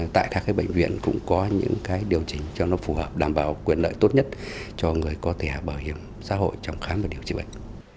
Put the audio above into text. tại các bệnh viện cũng có những điều chỉnh cho nó phù hợp đảm bảo quyền lợi tốt nhất cho người có thẻ bảo hiểm xã hội trong khám và điều trị bệnh